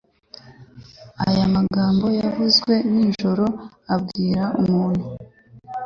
Ayo magambo yavuzwe ninjoro abwira umuntu